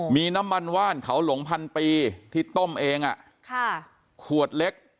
มีน้ำมันว่านเขาหลงพันปีที่ต้มเองขวดเล็ก